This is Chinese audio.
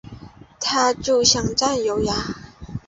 他就想占有呀